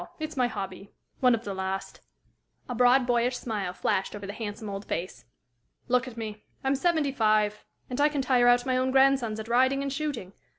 It's my hobby one of the last." A broad, boyish smile flashed over the handsome old face. "Look at me; I'm seventy five, and I can tire out my own grandsons at riding and shooting.